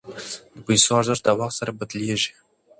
د پیسو ارزښت د وخت سره بدلیږي.